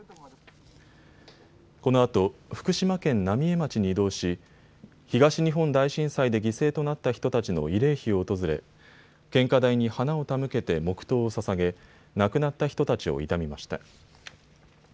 このあと福島県浪江町に移動し東日本大震災で犠牲となった人たちの慰霊碑を訪れ献花台に花を手向けて黙とうをささげ、亡くなった人たちを悼みました。